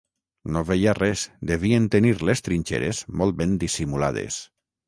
No veia res; devien tenir les trinxeres molt ben dissimulades.